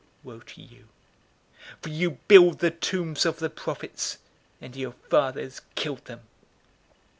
011:047 Woe to you! For you build the tombs of the prophets, and your fathers killed them.